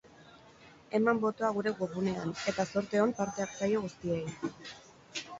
Eman botoa gure webgunean, eta zorte on parte-hartzaile guztiei.